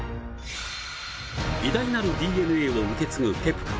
偉大なるＤＮＡを受け継ぐケプカ。